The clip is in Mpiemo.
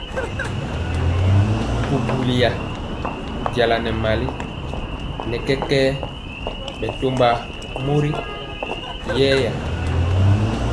Bubuliya jala nɛ mali nɛ kɛkɛɛ bɛ tɔmba mori yɛya.